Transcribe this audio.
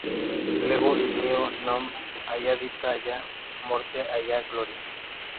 Lego il mio nome alla vita, alla morte, alla gloria?